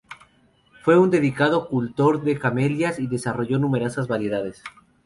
Fue un dedicado cultor de camelias, y desarrolló numerosas variedades.